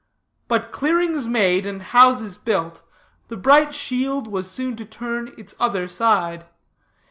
But clearings made and houses built, the bright shield was soon to turn its other side.